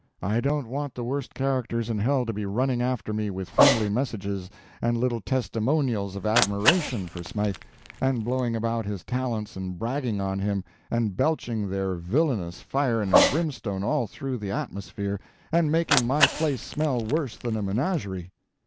I don't want the worst characters in hell to be running after me with friendly messages and little testimonials of admiration for Smythe, and blowing about his talents, and bragging on him, and belching their villainous fire and brimstone all through the atmosphere and making my place smell worse than a menagerie.